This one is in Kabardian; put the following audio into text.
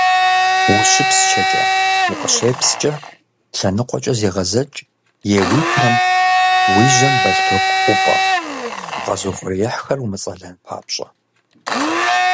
УщыпсчэкӀэ, укъыщепскӀэ лъэныкъуэкӀэ зегъэзэкӀ е уи пэм, уи жьэм бэлътоку ӀупӀэ, укъэзыухъуреихьхэр умыцӀэлэн папщӀэ.